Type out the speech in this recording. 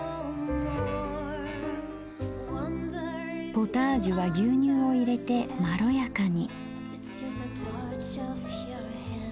ポタージュは牛乳を入れてまろやかに。